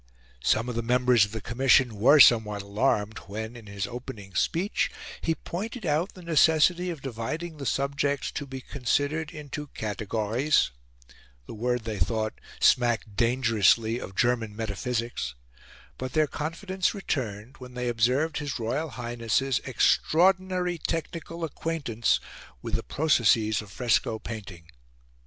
Some of the members of the commission were somewhat alarmed when, in his opening speech, he pointed out the necessity of dividing the subjects to be considered into "categories " the word, they thought, smacked dangerously of German metaphysics; but their confidence returned when they observed His Royal Highness's extraordinary technical acquaintance with the processes of fresco painting.